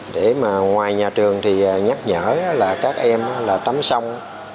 để ngoài nhà trường nhắc nhở là các em tắm sông